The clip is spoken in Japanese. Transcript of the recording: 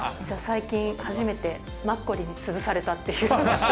じゃあ、最近初めてマッコリに潰されたということで。